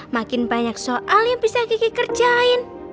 makin banyak soal yang bisa kiki kerjain